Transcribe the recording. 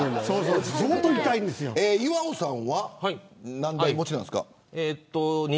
岩尾さんは何台持ちなんですか。